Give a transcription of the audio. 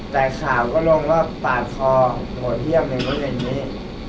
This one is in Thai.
แต่ข่าวก็ลงว่าปากคอโหดเทียมอยู่ในนี้